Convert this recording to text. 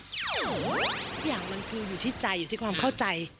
ทุกอย่างมันคืออยู่ที่ใจอยู่ที่ความเข้าใจ